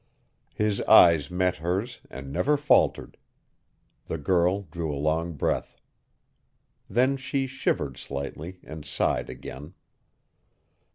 His eyes met hers and never faltered. The girl drew a long breath. Then she shivered slightly and sighed again.